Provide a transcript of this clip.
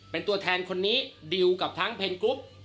เป็นตัวแทนคนนี้ดิวกับทั้งเพนกรุ๊ป